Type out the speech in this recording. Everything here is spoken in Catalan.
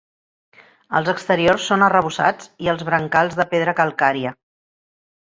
Els exteriors són arrebossats i els brancals de pedra calcària.